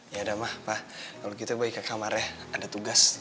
yaudah ma pa kalau gitu boy ke kamarnya ada tugas